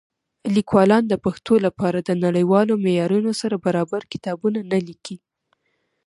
لیکوالان د پښتو لپاره د نړیوالو معیارونو سره برابر کتابونه نه لیکي.